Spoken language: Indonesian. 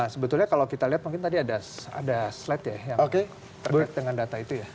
sebetulnya kalau kita lihat mungkin tadi ada slide ya yang terkait dengan data itu ya